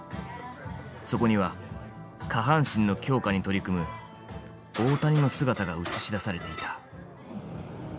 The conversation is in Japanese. そこには下半身の強化に取り組む大谷の姿が映し出されていた。